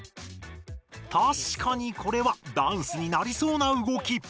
たしかにこれはダンスになりそうな動き。